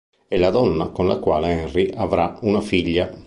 È la donna con la quale Henry avrà una figlia.